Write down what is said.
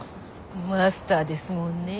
マスターですもんねぇ。